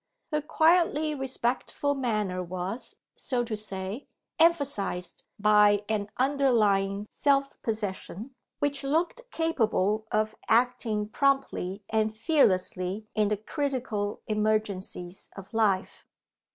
Her quietly respectful manner was, so to say, emphasised by an underlying self possession, which looked capable of acting promptly and fearlessly in the critical emergencies of life.